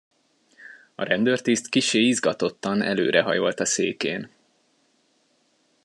A rendőrtiszt kissé izgatottan előrehajolt a székén.